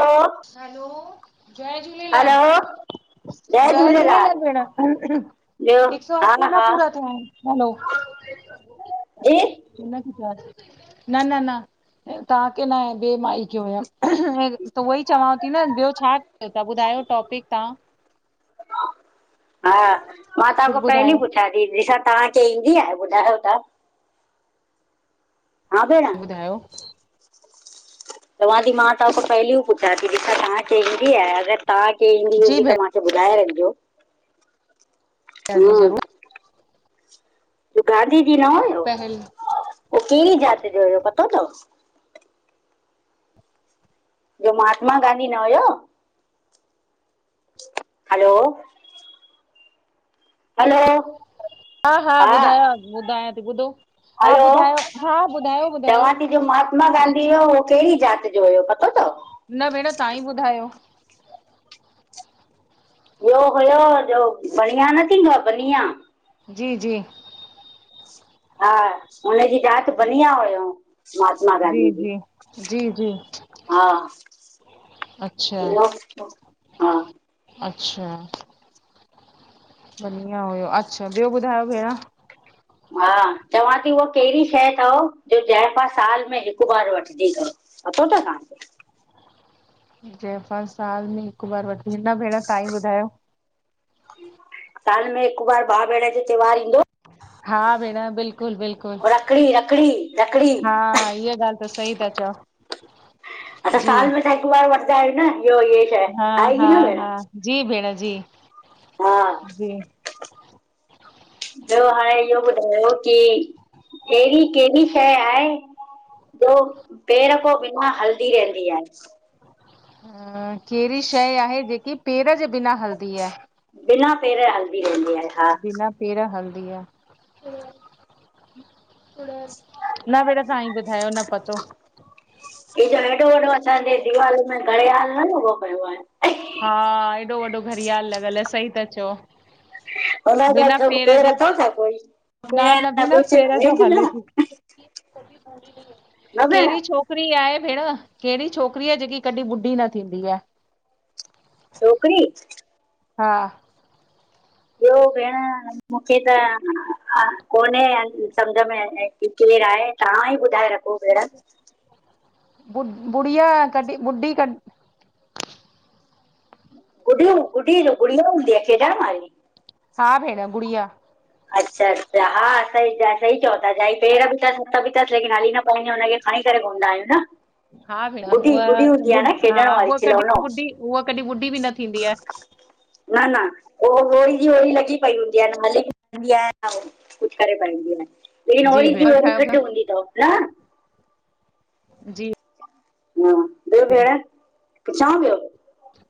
हलो hello जय Jhulelal hello जय झूलेलाल भेण ॿियो हिकु सो हा असी न हा पूरा थिया आहिन हलो जी उनखे चवांस न न न तव्हांखे न आयां ॿिए माई खे हुयम हल त उहोई चवांव ती न ॿियो छा थिए ॿुधायो टॉपिक तहां हा मां तां कुझु खां पहली ॿुधायो, पुछ छा दीदी ॾिसां तांखे ईंदी आ ॿुधायो त, हां भेण ॿुधायो तव्हांती मां तव्हा ख पहेलियूं ई पुछा थी ॾिसा तव्हांखे ईंदी आ अगरि तव्हांखे ईंदी जी हुजे त मां त ॿुधाए रखजो। हा भेण जी ज़रूर। गांधी जी न हुयो पहल हो कहिड़ी जात जो हुयो पतो तव? जो महात्मा गांधी न हुयो हलो हलो हा हा ॿुधायांव ॿुधायां थी ॿुधो हा हलो ॿुधायो हा ॿुधायो ॿुधायो। चवां थी जो महात्मा गांधी हुयो उहो कहिड़ी जात जो हुयो पतो तव? न भेण तव्हां ई ॿुधायो। ईयो हुयो जो बणिया न थींदो आ बनिया जी जी हा हुनजी जात बनिया हुयंव महात्मा गांधी जी। हा अच्छा ॿियो हा अच्छा बढ़िया हुयो अच्छा ॿियो ॿुधायो भेण? हा चवां थी उहा कहिड़ी शइ तव जो जाइफ़ां साल में हिकु बार वठदी तव? पतो तव तव्हां खे? जाइफ़ा साल में हिकु बार वठंदी न भेण तव्हां ई ॿुधायो। साल में हिकु बार भाउ भेण जो त्योहार ईंदो हा भेण बिल्कुल बिल्कुल रखड़ी रखड़ी रखड़ी हा इहा ॻाल्हि त सही था चओ। असां जी साल में त हिकु बार वठंदा आहियूं न इहोई ये हा हा हा जी भेण जी हा जी ॿियो हाणे इहो ॿुधायो की एहिड़ी कहिड़ी शइ आहे ॿियो पेर खां बि मां हलदी रहंदी आहे? केहिड़ी शइ आहे जेकी पेर जे बिना हलदी आहे? बिना पेर जे हलदी रहंदी आहे। हा बिना पेर हलदी आ। न भेण तव्हां ही ॿुधायो न पतो। ही जो हेॾो वॾो असांजे दीवाल में घड़ियाल न लॻो पियो आहे। हा एॾो वॾो घड़ियाल लॻल आ सही ता चओ। हुन जा हथ बिना अथव पेर पैर जे अथव छा कोई? न भेण न बिना कुझु पैर जो थी हले न पई केहिरी छो न भेण केहंणी छोकरी आहे भेण, केंणी छोकिरी आहे जेकी कॾि ॿुढी न थींदी आ? छोकरी? हा ॿियो भेण, मूंखे त कोन्हे सम्झ में ही, केरु आहे तव्हां ई ॿुधाए रखो भेण। बु बुड़िया कॾी ॿुड़ी क गुड़ीयूं गुड़ी जो गुड़िया हूंदीे आए खेॾण वारि? हा भेण गुड़िया। अच्छा अच्छा हा सही च सही चओ था जाई पैर बि तसि हथु बि तसि लेकिन हली न पाईंदी आहे हुनखे खाई करे घुमंदा आहियूं न? हा भेण गुॾी गुॾी उह हूंदी आहे ॿुड न हा खेॾण वारी उहा कॾि खिलौनो ॿुड़ी हुव कॾि ॿुढी बि न थींदी आ। न न ओ ओड़ी जी ओड़ी लॻी पई हूंदी आ हाली ईंदी आए त उव कुछ करे पाईंदी आ, लेकिन ओरी भेण जी और ओरी ॿुधायो फिट भेण हूंदी तव न। जी हा ॿियो भेण, पुछां ॿियो?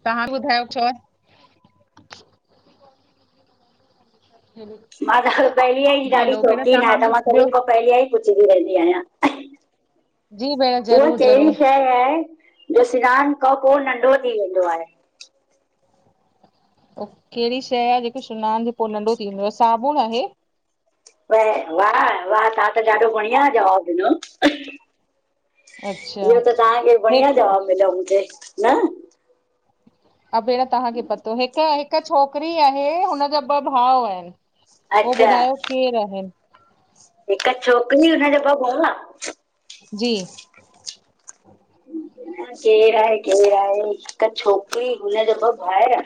तव्हां ॿुधायो छ ह मां त पहेलीअ ई जी ॾाढी शौंक़ीन आयां, त बि मां ॿियो सभिन खां पहेलीअ ई पुछंदी रहंदी आयां। जी भेण उह ज़रूरु केड़ी ज़रूरु शइ जो सनान खां पो नंढो थी वेंदो आहे। ओ केड़ी शइ आहे जेको सनान खां पो नंढो थी वेंदी आहे? साबुण आहे। व वाह वाह, तव्हां त ॾाढो बढ़िया जवाब ॾिनो। अच्छा इहो त तव्हांखे बढ़िया हिकु जवाब ॾिनो, मूंखेे न। अ भेण तहांखे पतो, हिक हिक छोकिरी आहे हुनजा ॿ भाउ आहिन। पो अच्छा ॿुधायो केर आहे? हिक छोकिरी हुनजा ॿ भूआ। जी केर आहे, केर आहे, हिक छोकिरी हुनजा ॿ भाउर।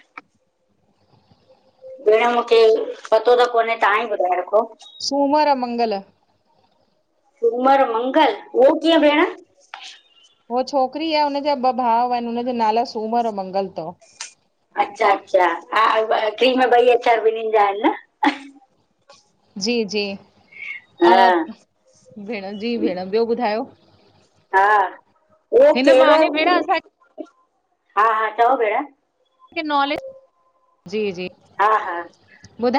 भेण मुखे पतो त कोने, तव्हां ई ॿुधाए रखो। सूमर, मंगल सूमर, मंगल उहो कीअं भेण। हुअ छोकिरी आहे हुनजा ॿ भाउ आहिन, हुनजा नाला सूमर, मंगल तव। अच्छा अच्छा हा ॿ क्रीम ॿई अक्षर ॿिनीं जा आहिन न। जी जी अ हा भेण जी भेण ॿियो ॿुधायो। हा उहो हिन केड़ो, बहाने भेण असांखे हा हा चओ भेण। मुखे नॉलेज, जी-जी। हा हा,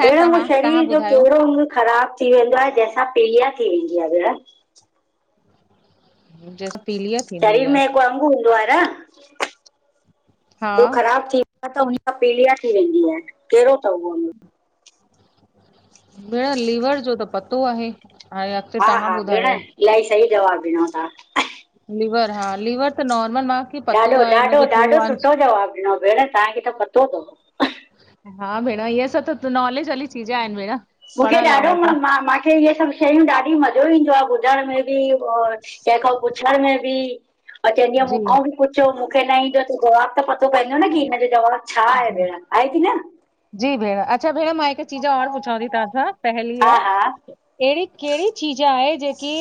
भेण उह तव्हां शरीर जो ॿुधायो केड़ो अंग ख़राब थी वेंदो आहे, जेंसां पीलिया थी वेंदी आ भेण। मुंजे सा शरीर में हिक अंग हूंदो आ न, हा जो ख़राब थी व हा त हुनसा पीलिया थी वेंदी आहे, केड़ो थव उहो? भेण लीवर जो त पतो आहे। हाणे अॻिते हा तव्हां हा भेण ॿुधायो इलाही सही जवाब ॾिनो तव्हां। लीवर हा लीवर त नॉर्मल मां ॾाढो-ॾाढो-ॾाढो सुठो जवाब ॾिनो भेण तहांखे त पतो तव। हा भेण, इअ सब त नॉलेज वारी चीज आहिन भेण। मूंखे पढ़ियल ॾाढो ऐं म असां मांखे इअ सभ शयूं ॾाढी मज़ो ईंदो आ ॿुधण में बि और केखों पुछण में बि। ऐं चवंदी आयां जी मूंखां बि पुछो मूंखे न ईंदो त जवाब त पतो पवंदो न की हिन जो जवाब छा आहे जी भेण आए कि न। जी भेण अच्छा भेण मां हिकु चीज और पुछांव ती तहां खां पहेली हा आ हा केड़ी केड़ी चीज आहे जेकी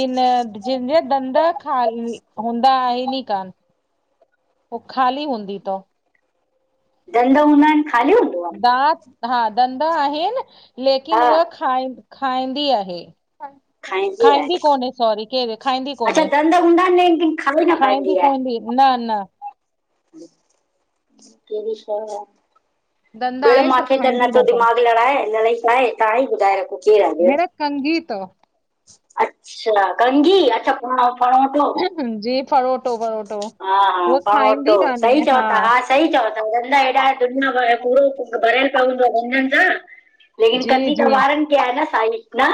बिन जंहिंजा ॾंद खाल हूंदा आहिन ई कान। हू ख़ाली हूंदी तव। ॾंद हूंदा आहिन खाली हूंद दांत हा ॾंद आहिन लेकिन हा हूअ खाईं खाईंदी आहे। खाईंदी कोन्हे, सॉरी केर खाईंदी अच्छा कोन्हे, दंद हूंदा आहिनि लेकिन खाई न खाईंदी पाईंदी आहे। कोन्हें। न न [unintelligible] दंद भेण आयसि पर मांखे त खाईंदी नथो न अथव दिमाग़ु लड़ाए, अल्हाए छा आए, तां ई ॿुधाए रखो केरु आहे भेण? कंघी तव। अच्छा कंघी! अच्छा फणो फणो जी फरोटो फरोटो हा हा, उहा फणोटो खाईंदी कान्हे सई चओ ता हा। सही चओ था हेॾा [unintelligible] भरियल त हूंदो आहनि न ॾंद, लेकिन जी कंदी त जी वारनि खे आहे न सई न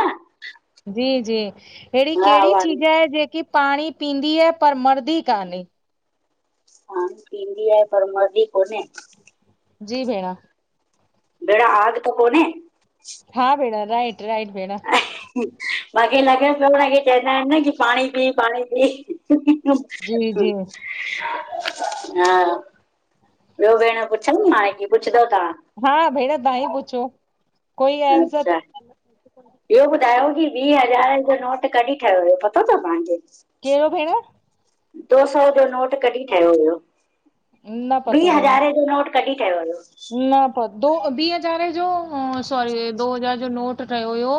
जी जी अहिड़ी हा केहिड़ी वारनि चीज खे आहे, जेकी पाणी पींदी आहे पर मर्दी कान्हे? पाणी पींदी आहे, पर मर्दी कोन्हे? जी भेणु। भेण आग त कोने? हा भेण, राइट राइट भेण। मांखे लॻे पियो उनखे चवंदा आहिन न, कि पाणी पी पाणी पी। जी जी [unintelligible] हा ॿियो भेण पुछां मां, कि पुछंदव तां? हा भेण ता ई पुछो। कोई आंसर अच्छा, इयो ॿुधायो की ॿीं हज़ार जो कहिड़ो नोट कॾहिं ठहियो हुयो, पतो तव तां खे? केहिड़ेो भेण? दो सौ जो नोट कॾहिं ठहियो हुयो, न ॿी पतो भेण हज़ारे जो नोट कॾहिं ठहियो हुयो? न पतो, दो ॿीं हज़ारे जो सॉरी दो हज़ार जो नोट ठहियो हुयो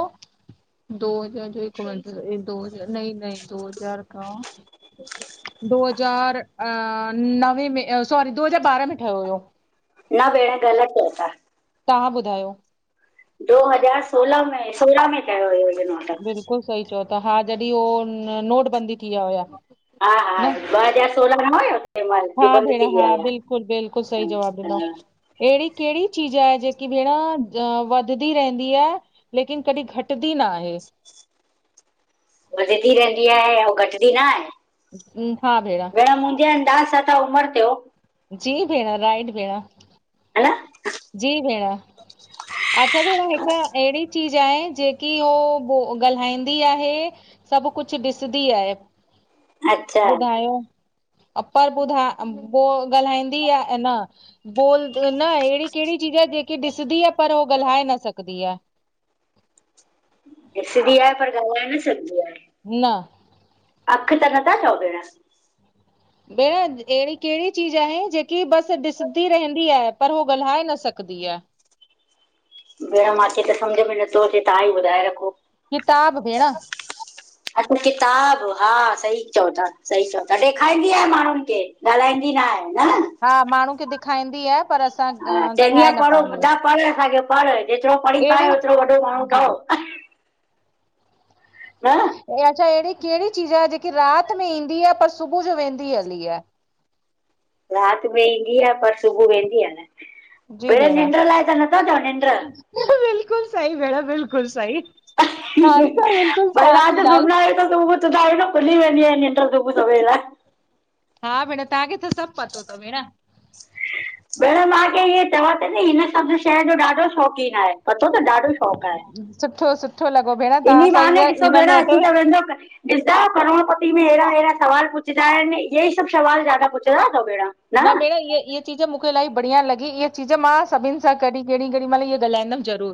दो हज़ार जो हिकु मिटं, दो हज़ार नईं नईं दो हज़ार खां दो हज़ार अ नवे में सॉरी, दो हज़ार बारा में ठहियो हुयो। न भेण ग़लत चओ था। तांहा ॿुधायो। दो हज़ार सोलहा में, सोरहां में ठयो हुयो ईयो नोट। बिल्कुल सही चओ ता, हा जॾहिं हो नोटबंदी थी विया हुया? हा हा न? ॿ हज़ार सोलहा में न हुयो? तंहिं महिल हा जो बंदि भेण थी विया हा, बिल्कुल बिल्कुल सही जवाब ॾिनो। हुया ऐहिड़ी केहिड़ी चीज आहे, जेकी भेण वधदी रहंदी आहे? लेकिन कॾहिं घटदी न आहे। वधंदी रहंदी आहे, अऊं घटिदी न आहे? ह्म हा भेण। भेण मुंहिंजे अंदाज़ सां त उमिर थियो। जी भेण, राइट भेण। ह न जी भेण, अच्छा भेण हिकु अहिड़ी चीज़ छा आहे, जेकी हू उ ॻाल्हाईंदी आहे सभु कुछ ॾिसदी आहे, अच्छा ॿुधायो? अ परर ॿुधा ॻाल्हाईंदी आहे न बोल न अहिड़ी [unintelligible] केहिड़ी चीज़ आ, जेकी ॾिसंदी आ, पर हो ॻाल्हाए न सघंदी आ? ॾिसंदी आहे, पर ॻाल्हाए न सघंदि आहे? न अख त नथा चओ भेण? भेण अहिड़ी केड़ी चीज आहे? जेकी बस ॾिसंदी रहंदी आहे। पर हू ॻाल्हाए न सकदी आहे। भेण मांखे त सम्झ में नथो अचे तहां ई ॿुधाए रखो किताब [inaudible] अच किताब हा सही चओ था सही चओ था ॾेखारींदी आहे माण्हुन खे। ॻाल्हाईंदी न आहे न? हा, माण्हू खे ॾिखाईंदी आ। पर असां हा चवंदी ॻाल्हाए आहे न पढ़ो पाईंदी आ। ॿुधा पढ़, असांखे पढ़, जेतरो पढ़ी पाए ओतरो, वॾो माण्हू जी ठहो। न ऐं, अच्छा एड़ी केड़ी चीज़ आहे? जेकी रात में ईंदी आ, पर सुबह जो वेंदी हली आ। रात में ईंदी आह, पर सुबुअ वेंदी आ न। जी भेण निंड लाइ त नथा चओ निंड्र? खिलण बिल्कुल सई भेण बिल्कुल सई। खिलण भई रात जो इलाही सुमंदा आयूं त खु़द खुली वेंदी आहे‌ निंड्र भेण। हा भेण तहांखे त सभ पतो तव भेण। [inaudible] भेण मांखे इअं चवां त ती हिन सभ शइ जो ॾाढो शौंक़ीन आहे। पतो तव ॾाढो शौंक़ु आहे। सुठो सुठो लॻो भेण तव्हां इन्ही सां बहाने ईअं ॾिसो इन भेण अची मैटर त वेंदो ॾिसदा आयो करोणपति में अहिड़ा, अहिड़ा सवाल पुछंदा आहिन। इहे ई सभ सवाल जादा पुछंदा तव भेण। न भेण इहें इहें चीज़ मूंखे इलाही बढ़िया लॻी इहा चीज़ मां सभिन सां कॾी कड़ी मल ॻाल्हाईंदम जरूर।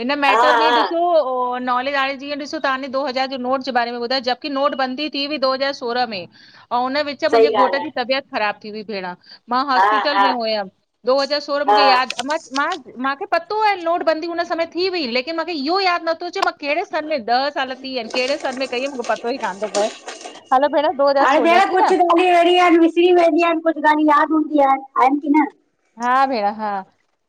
हिन हा मेटर में हा ॾिस। सो ओ नोलेज आहे जीअं ॾिसो तहांने दो हज़ार जो नोट जे बारे में ॿुधायो जबकि नोट बंदी थी हुई दो हज़ार सोरहं में अऊं हुन विच मुंजे सही घोट ॻाल्हि जी आहे तबियत ख़राब थी हूई भेण। मां हा हॉस्पिटल हा में हुयम दो हज़ार सौरह मुखे हा याद अम मां मांखे पतो आहे नोटबंदी हुन समय थी हुई लेकिन मांखे इयो याद नथो अचे मां केड़े सन में ॾह साल थी हन केड़े सन में कई मुखे पतो ई कान तो पए हलो भेण दो हज़ार सोलह ठीक आ। ॻाल ई एड़ी आहिन जो विसरी वेंदी आहिन कुछ ॻालियूं याद हूंदी आहिन आइन की न? हा, भेण हा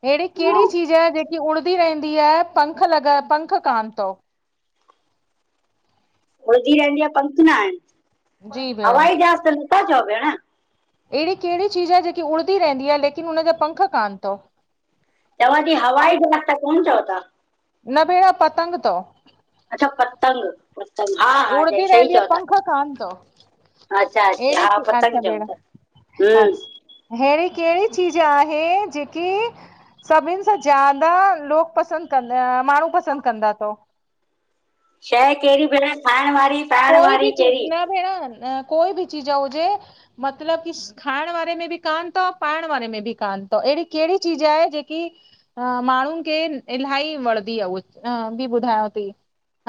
हेड़ी हा केड़ी चीज़ आहे? जेक कि उड़दी रहंदी आहे पंख लॻा पंख कान तव। उड़दी रहंदी आहे। पंख ना आहिन। जी भेण हवाई जहाज़ त नथा चओ भेण? एड़ी केड़ी चीज़ आहे, जेकी उड़ंदी रहंदी आहे, लेकिन हुनजा पंख कान तव? चवाँ ती हवाई ज़हाज कोन चओ ता? न भेण पतंग तव। अच्छा पतंग पतंग हा हा जई उड़दी सही रहंदी आहे चओ ता। पंख कान अथव अच्छा अच्छा अहिड़ी हा के- पतंग चोता। हुम हेड़ी केड़ी चीज आहे जेकी सभिन सां ज्यादा लोग पसंद कंदा माण्हू पसंद कंदा तव? शइ केड़ी भेण खाइण वारी? पाइण कोई बि वारी चीज़ कहिड़ी न भेण न कोई बि चीज़ हुजे मतलब कि खाइण वारे में बि कान तव पाइण वारे में बि कान तव एड़ी केड़ी चीज आहे जेकी ह माण्हुन खे इलाही वणंदी आह उहा भी ॿुधायांवती।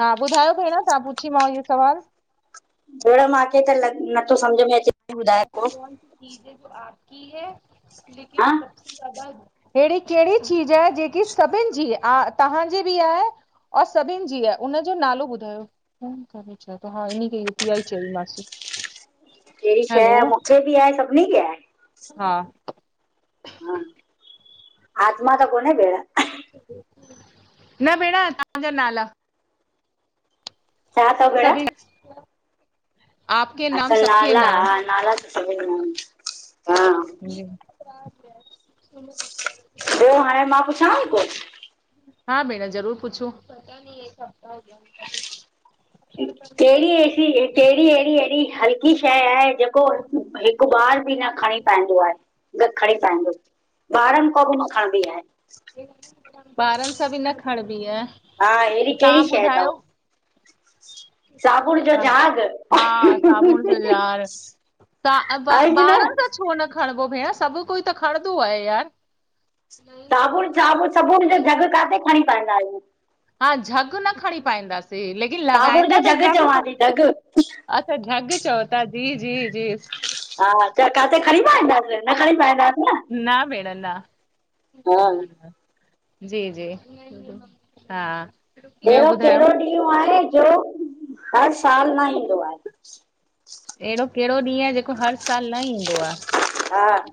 हा, ॿुधायो भेण तां पुछीमांव इयो सवाल। भेण मांखे त नथो सम्झ में अचे। ॿुधाए ऐसी को कौन सी चीज जो आपकी है, लेकिन हा अहिड़ी कहिड़ी चीज आहे जेकी सभिनि जी आ तव्हांजी बि आहे और सभिनि जी आ उन जो नालो ॿुधायो? अच्छा त हाडे़ं हिन्न के यूपीआइ चंईंमासीं। कहिड़ी शए मुखे बि आहे सभिनी खे आहे? हा हा आत्मा त कोने भेंण? न भेणं असांजा नाला। छा तव भेण? सभिनि आपके नाम अच्छा सबके नाला हा नाम नाला त सभनी डिन्ना एन। हा [unintelligible] पो हाणे मां पुछांव कुछ? हा भेण ज़रूर पुछो। पता नही एक हफ़्ता हो गया। कहिड़ी एसी कहिड़ी अहिड़ी अहिड़ी हलकी शए आहे जेको हिक बि न खणी पाईंदो आहे न खणी पाईंदो ॿारन खां बि न खणबी आहे? ॿारन सां बि न खणबी आहे? हा अहिड़ी कहिड़ी शइ तव? जो ह जहाज हा साबुण जो झा्ग। त ॿा आहे की न ॿारन त छो न खणबो भेण सभ कोई त खणंदो आहे यार। साबुण साबुण साबुण जो झग काथे खणी पाईंदा आहियूं। हा झॻ न खणी पाईंदासीं लेकिन साबुण लॻाईंदा जो त जग सब। चवां थी जग अच्छा झॻ चओ था जी जी जी। हा त काथे खणी पाईंदासीं? न खणी पाईंदासीं न। न भेण न हा न न जी जी हा ॿियो अहिड़ो ॿुधायो कहिड़ो ॾींहुं आहे जो हर साल न ईंदो आहे? अहिड़ो कहिड़ो ॾींहुं आहे जेको हर साल न ईंदो आ? हा